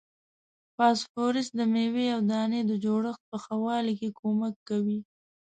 فاسفورس د میوې او دانې د جوړښت په ښه والي کې کومک کوي.